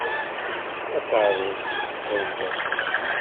Aṭarus yesseḍ.